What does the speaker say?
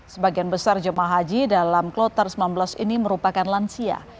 sebagian besar jemaah haji dalam kloter sembilan belas ini merupakan lansia